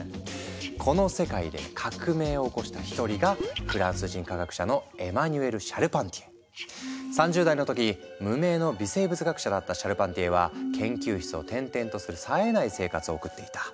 この世界で革命を起こした一人が３０代の時無名の微生物学者だったシャルパンティエは研究室を転々とするさえない生活を送っていた。